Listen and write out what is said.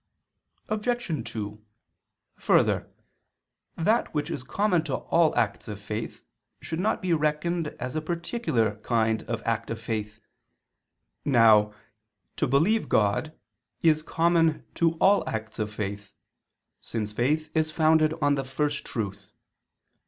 Obj. 2: Further, that which is common to all acts of faith should not be reckoned as a particular kind of act of faith. Now "to believe God" is common to all acts of faith, since faith is founded on the First Truth.